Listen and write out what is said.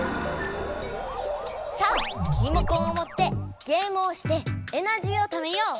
さあリモコンをもってゲームをしてエナジーをためよう！